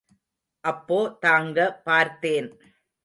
அப்பொ தாங்க பார்த்தேன்.